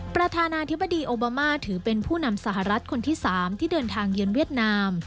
ประธานาธิบดีโอบามาถือเป็นผู้นำสหรัฐคนที่๓ที่เดินทางเยือนเวียดนาม